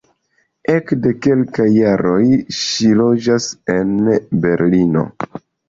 Ekde kelkaj jaroj ŝi loĝas en Berlino.